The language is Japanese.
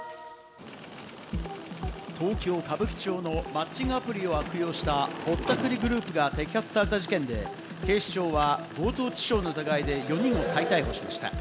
東京・歌舞伎町のマッチングアプリを悪用したぼったくりグループが摘発された事件で、警視庁は強盗致傷の疑いで４人を再逮捕しました。